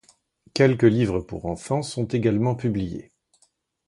Quelques livres pour enfants sont également publiés.